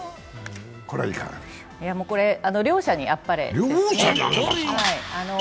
両者にあっぱれですね。